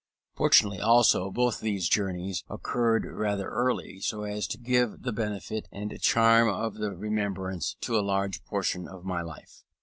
Fortunately, also, both these journeys occurred rather early, so as to give the benefit and charm of the remembrance to a large portion of life.